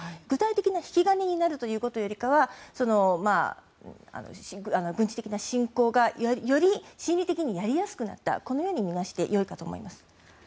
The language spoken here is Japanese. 具体的な引き金になるということよりかは軍事的な侵攻がより心理的にやりやすくなったこのように見なしてよいかと思います。